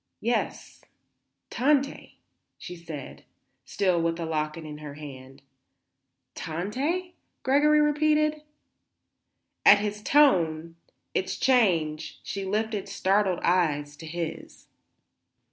"Yes; Tante," she said, still with the locket in her hand. "Tante?" Gregory repeated. At his tone, its change, she lifted startled eyes to his.